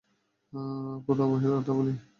কোথাও বসে কথা বলি?